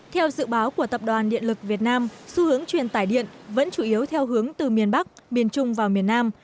theo dự báo của tập đoàn điện lực việt nam xu hướng truyền tải điện vẫn chủ yếu theo hướng từ miền bắc miền trung vào miền nam